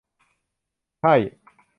ใช่